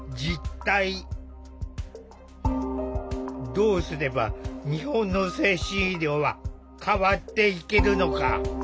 どうすれば日本の精神医療は変わっていけるのか考える！